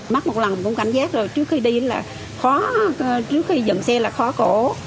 mắt một lần cũng cảnh giác rồi trước khi đi là khó trước khi dẫn xe là khó cổ